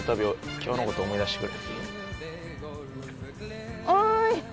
今日のこと思い出してくれ。